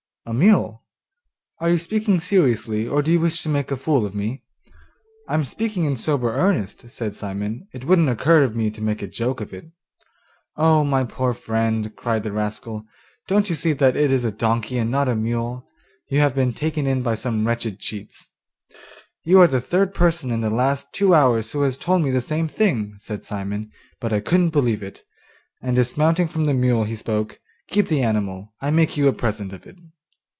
'A mule! Are you speaking seriously, or do you wish to make a fool of me?' 'I'm speaking in sober earnest,' said Simon; 'it wouldn't occur to me to make a joke of it.' 'Oh, my poor friend,' cried the rascal, 'don't you see that is a donkey and not a mule? you have been taken in by some wretched cheats.' 'You are the third person in the last two hours who has told me the same thing,' said Simon, 'but I couldn't believe it,' and dismounting from the mule he spoke: 'Keep the animal, I make you a present of it.